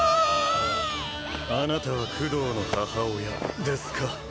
あなたはクドーの母親ですか？